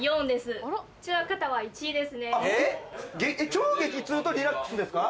「超激痛」と「リラックス」ですか？